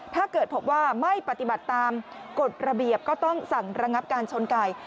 ถ้าเกิดพบว่าไม่ปฏิบัติตามกฎระเบียบก็ต้องสั่งระงับการชนไก่